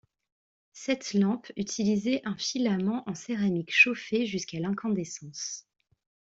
Cette lampe utilisait un filament en céramique chauffé jusqu'à l'incandescence.